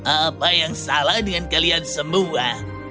apa yang salah dengan kalian semua